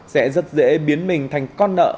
sẽ rất dễ biến mình thành con nợ